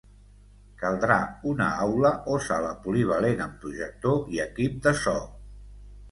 Caldrà una aula o sala polivalent amb projector i equip de so.